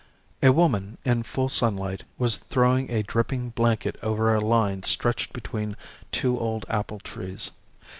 A woman, in full sunlight, was throwing a dripping blanket over a line stretched between two old apple trees.